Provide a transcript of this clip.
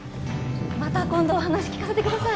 また今度お話聞かせてください